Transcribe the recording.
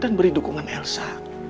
dan beri dukungan elsa